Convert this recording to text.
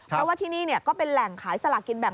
เพราะว่าที่นี่ก็เป็นแหล่งขายสลากินแบ่ง